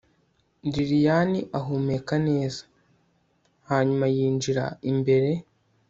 lilian ahumeka neza, hanyuma yinjira imbere